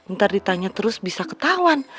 ntar ditanya terus bisa ketahuan